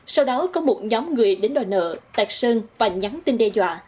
sau đó có một nhóm người đến đòi nợ tạc sơn và nhắn tin đe dọa